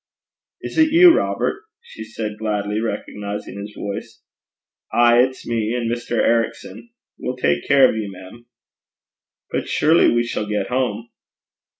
'Is it you, Robert?' she said, gladly recognizing his voice. 'Ay, it's me, and Mr. Ericson. We'll tak care o' ye, mem.' 'But surely we shall get home!'